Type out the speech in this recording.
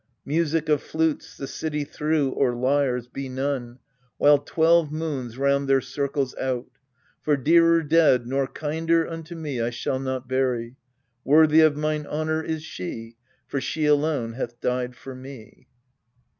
Music of flutes the city through, or lyres, Be none, while twelve moons round their circles out: For dearer dead, nor kinder unto me I shall not bury : worthy of mine honour Is she, for she alone hath died for me.